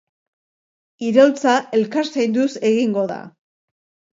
Iraultza elkar zainduz egingo da.